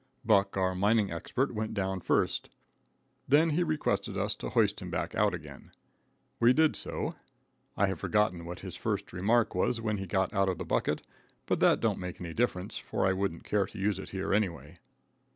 Buck, our mining expert, went down first. Then he requested us to hoist him out again. We did so. I have forgotten what his first remark was when he got out of the bucket, but that don't make any difference, for I wouldn't care to use it here anyway.